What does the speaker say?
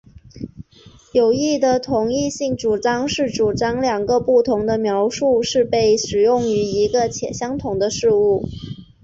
有益的同一性主张是主张两个不同的描述是被使用于一个且相同的事物。